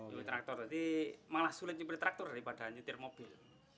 yul traktor jadi malah sulit nyepi traktor daripada nyetir mobil